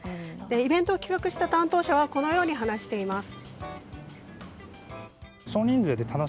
イベントを企画した担当者はこのように話しています。